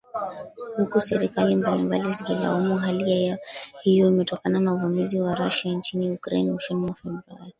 Huku serikali mbalimbali zikilaumu hali hiyo imetokana na uvamizi wa Russia nchini Ukraine mwishoni mwa Februari.